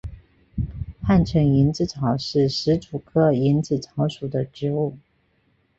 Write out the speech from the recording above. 汉城蝇子草是石竹科蝇子草属的植物。